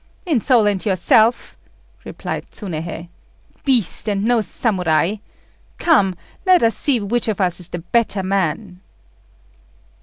"Insolent yourself!" replied Tsunéhei. "Beast, and no Samurai! Come, let us see which of us is the better man."